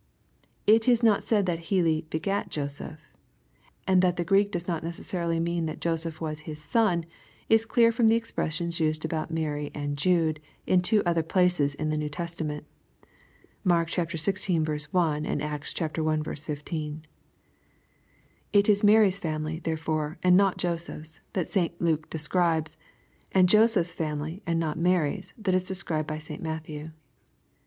It is not said that Hell '^ begat" Joseph ; and that the Greek does not necessarily mean that Joseph was " his son," is clear from the e^roressions used about Mary and Jude, in two other places of the New Testament. (Mark xvi. 1. and Acts i 15.) It is Mary's family, therefore, and not Joseph's, that St Luke describes, and Joseph's family, and not Mary's, that is described by St Matthew.